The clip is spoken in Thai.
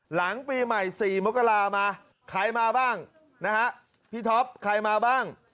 หลังปีใหม่๔มกรามาใครมาบ้างนะฮะพี่ท็อปใครมาบ้าง